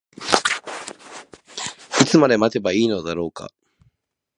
いつまで待てばいいのだろうか。